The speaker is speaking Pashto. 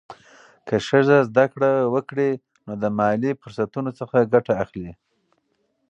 که ښځه زده کړه وکړي، نو د مالي فرصتونو څخه ګټه اخلي.